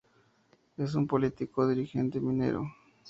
Es un político y Dirigente minero.